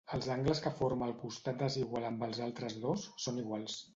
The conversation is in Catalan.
Els angles que forma el costat desigual amb els altres dos són iguals.